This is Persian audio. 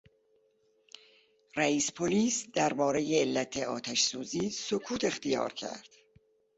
رییس پلیس دربارهی علت آتش سوزی سکوت اختیار کرد.